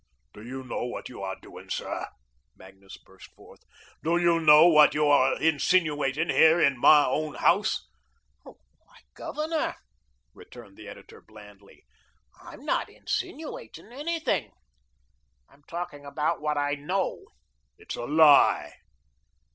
"Do you know what you are doing, sir?" Magnus burst forth. "Do you know what you are insinuating, here, in my own house?" "Why, Governor," returned the editor, blandly, "I'm not INSINUATING anything. I'm talking about what I KNOW." "It's a lie."